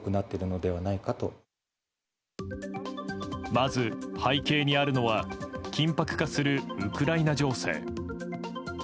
まず背景にあるのは緊迫化するウクライナ情勢。